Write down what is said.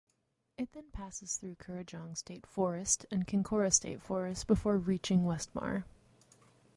It then passes through Currajong State Forest and Kinkora State Forest before reaching Westmar.